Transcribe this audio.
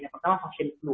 yang pertama vaksin flu